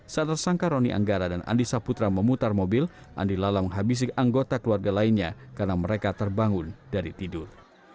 saat tersangka roni anggara dan andi saputra memutar mobil andi lala menghabisi anggota keluarga lainnya karena mereka terbangun dari tidur